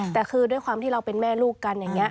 แต่คือด้วยความที่เราเป็นแม่ลูกกันอย่างนี้